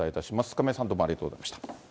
亀井さん、どうもありがとうございました。